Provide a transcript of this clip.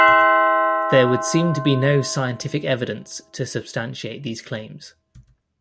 There would seem to be no scientific evidence to substantiate these claims.